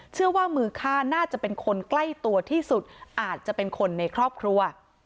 เชื่อว่ามือฆ่าน่าจะเป็นคนใกล้ตัวที่สุดอาจจะเป็นคนในครอบครัว